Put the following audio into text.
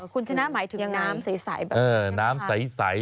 คุณชนะหมายถึงน้ำใสแบบนี้น้ำใส